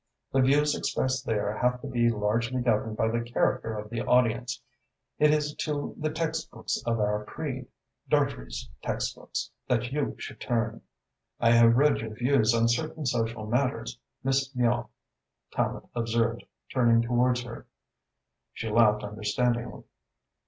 The views expressed there have to be largely governed by the character of the audience. It is to the textbooks of our creed, Dartrey's textbooks, that you should turn." "I have read your views on certain social matters, Miss Miall," Tallente observed, turning towards her. She laughed understandingly.